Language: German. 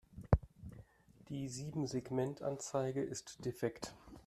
Die Siebensegmentanzeige ist defekt.